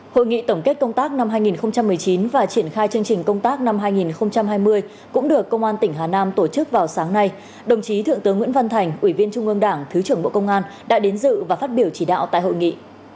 hội nghị tổng kết công tác năm hai nghìn một mươi chín và triển khai chương trình công tác năm hai nghìn hai mươi cũng được công an tỉnh hà nam tổ chức vào sáng nay đồng chí thượng tướng nguyễn văn thành ủy viên trung ương đảng thứ trưởng bộ công an đã đến dự và phát biểu chỉ đạo tại hội nghị